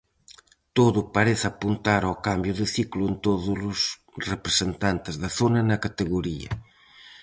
Todo parece apuntar ao cambio de ciclo en tódolos representantes da zona na categoría.